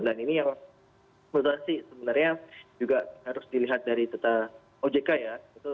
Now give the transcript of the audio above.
dan ini yang menurut saya sih sebenarnya juga harus dilihat dari data ojk ya